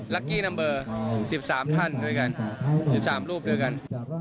กี้นัมเบอร์๑๓ท่านด้วยกัน๑๓รูปด้วยกัน